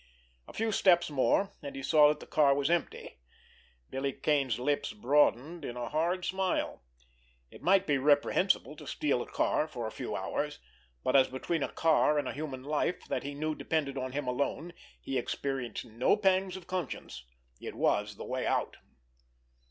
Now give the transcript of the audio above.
A few steps more, and he saw that the car was empty. Billy Kane's lips broadened in a hard smile. It might be reprehensible to steal a car for a few hours; but, as between a car and a human life that he knew depended on him alone, he experienced no pangs of conscience. It was the way out!